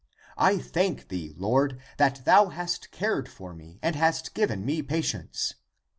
I thank thee. Lord, that thou hast cared for me and hast given me patience.